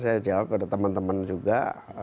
saya jawab pada teman teman juga